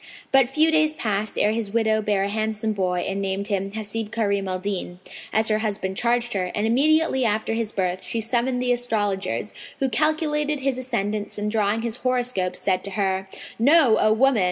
But few days passed ere his widow bare a handsome boy and named him Hasib Karim al Din, as her husband charged her; and immediately after his birth she summoned the astrologers, who calculated his ascendants and drawing his horoscope, said to her, "Know, O woman!